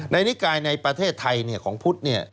ในนิกายในประเทศไทยของพุทธ